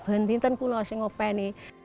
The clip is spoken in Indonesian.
bende ntar kuloh sengope nih